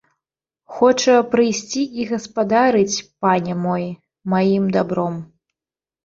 Хоча прыйсці і гаспадарыць, пане мой, маім дабром.